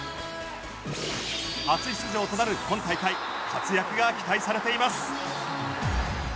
初出場となる今大会活躍が期待されています。